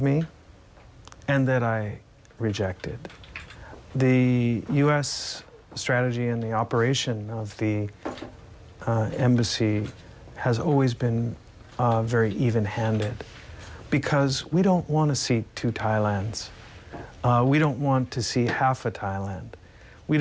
ฉันเชื่อต็อสที่สุดที่จริงความสามารถสร้างความเต็มที่สุดของประเทศไทยที่หายละครตลอดหมด